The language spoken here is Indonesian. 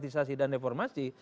demokratisasi dan reformasi